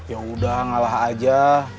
yaudah ngalah aja